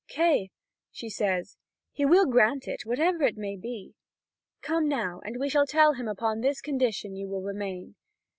"Kay," she says, "he will grant it, whatever it may be. Come now, and we shall tell him that upon this condition you will remain."